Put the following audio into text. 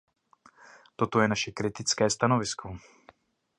Toto je naše kritické stanovisko.